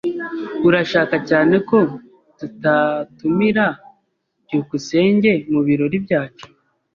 Urashaka cyane ko tutatumira byukusenge mubirori byacu?